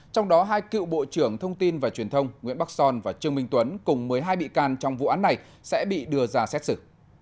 trong đó hai cựu bộ trưởng thông tin và truyền thông nguyễn bắc son và trương minh tuấn cùng một mươi hai bị can trong vụ án này sẽ bị đưa ra xét xử